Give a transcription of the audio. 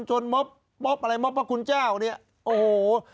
ม็อบอะไรม็อบพระคุณเจ้าเนี่ยโอ้โห